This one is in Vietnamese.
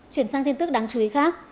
chuyển sang tin tức đáng chú ý khác